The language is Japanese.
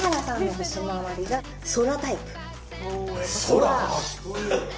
空！